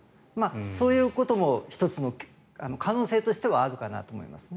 そういうことも１つの可能性としてはあるかなと思います。